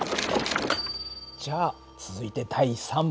じゃあ続いて第３問。